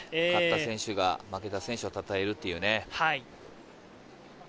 勝った選手が負けた選手を称えるというね。